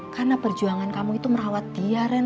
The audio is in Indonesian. karena perjuangan kamu itu merawat dia ren